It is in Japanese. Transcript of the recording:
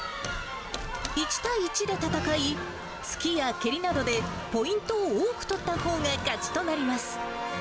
１対１で戦い、突きや蹴りなどでポイントを多く取ったほうが勝ちとなります。